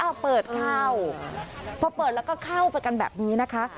พอเปิดแล้วก็เข้าไปกันแบบนี้นะคะ